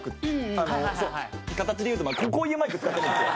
形でいうとこういうマイク使ってるんですよ。